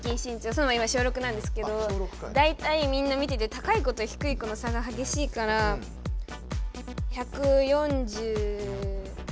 ソノマ今小６なんですけど大体みんな見てて高い子とひくい子の差がはげしいから１４５。